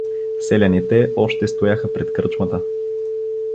Селяните още стояха пред кръчмата.